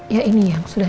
ya ini yang sudah